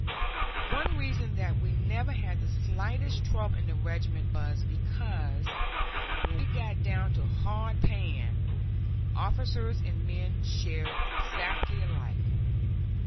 One reason that we never had the slightest trouble in the regiment was because, when we got down to hard pan, officers and men shared exactly alike.